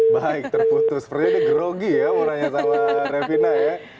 baik terputus sepertinya ada grogi ya mau nanya sama revina ya